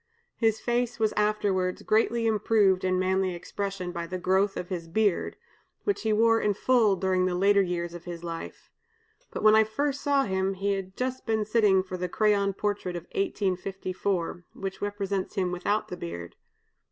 His face was afterwards greatly improved in manly expression by the growth of his beard, which he wore in full during the later years of his life; but when I first saw him he had just been sitting for the crayon portrait of 1854, which represents him without the beard.